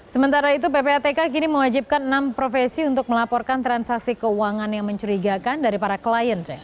sementara itu ppatk kini mewajibkan enam profesi untuk melaporkan transaksi keuangan yang mencurigakan dari para klien